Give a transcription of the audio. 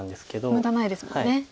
無駄ないですもんね。